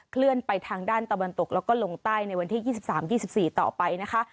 เลื่อนไปทางด้านตะวันตกแล้วก็ลงใต้ในวันที่๒๓๒๔ต่อไปนะคะ